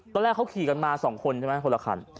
ตอนแรกเขาขี่กันมา๒คนใช่ไหม